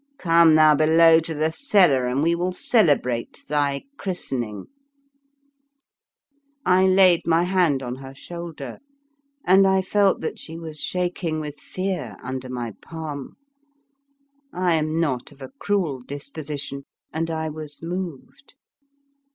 Come thou below to the cellar and we will cele brate thy christening. '' 53 The Fearsome Island I laid my hand on her shoulder, and I felt that she was shaking with fear under my palm. I am not of a cruel disposition and I was moved.